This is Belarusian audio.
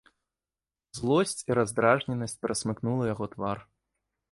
Злосць і раздражненасць перасмыкнула яго твар.